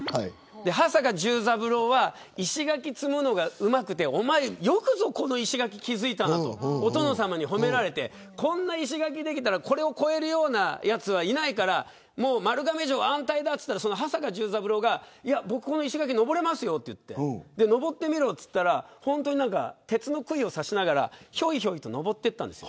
羽坂重三郎は石垣を積むのがうまくてよくぞ、この石垣を築いたなとお殿様に褒められてこんな石垣できたらこれを越えるようなやつはいないから丸亀城は安泰だと言ったら羽坂重三郎がいや、僕この石垣登れますよと言って登ってみろと言ったら本当に鉄の杭を刺しながらひょいひょい登っていったんです。